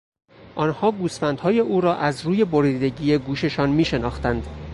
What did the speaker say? آنها گوسفندهای او را از روی بریدگی گوششان میشناختند.